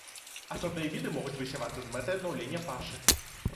Асобныя віды могуць высявацца з мэтай аднаўлення пашы.